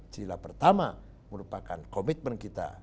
silah pertama merupakan commitment kita